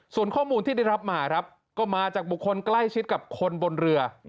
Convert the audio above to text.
ส่วนข้อมูลที่ได้รับมาครับก็มาจากบุคคลใกล้ชิดกับคนบนเรือ